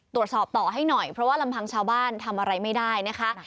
ตรวจสอบต่อให้หน่อยเพราะว่าลำพังชาวบ้านทำอะไรไม่ได้นะคะ